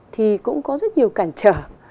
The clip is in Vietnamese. thì cũng có rất nhiều cản trở